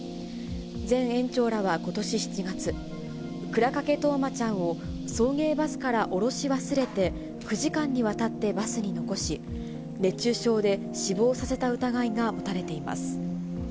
前園長らはことし７月、倉掛冬生ちゃんを送迎バスから降ろし忘れて、９時間にわたってバスに残し、熱中症で死亡させた疑いが持たれています。